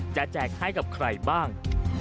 แจกให้กับใครบ้าง